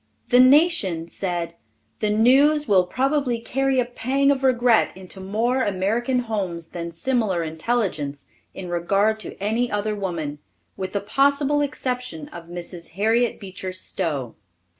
The Nation said, "The news will probably carry a pang of regret into more American homes than similar intelligence in regard to any other woman, with the possible exception of Mrs. Harriet Beecher Stowe."